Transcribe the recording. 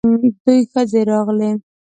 دوې ښځې راغلې.